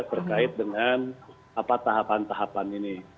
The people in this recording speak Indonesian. terkait dengan tahapan tahapan ini